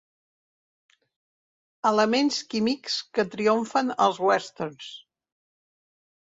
Elements químics que triomfen als westerns.